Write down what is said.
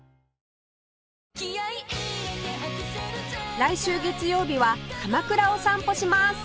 来週月曜日は鎌倉を散歩します